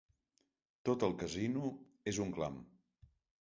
Tot el casino és un clam.